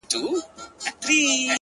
• ستا د ښار د ښایستونو په رنګ ـ رنګ یم ـ